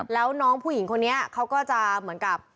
แล้วน้องผู้หญิงคนนี้เขาก็จะเหมือนกับ